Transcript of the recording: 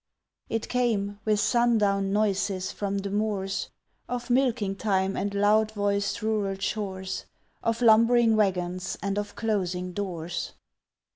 It came with sundown noises from the moors, Of milking time and loud voiced rural chores, Of lumbering wagons and of closing doors.